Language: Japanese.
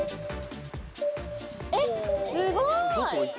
・えっすごい！